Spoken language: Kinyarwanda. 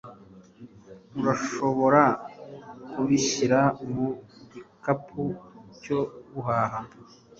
Urashobora kubishyira mu gikapu cyo guhaha?